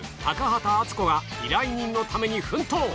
高畑淳子が依頼人のために奮闘。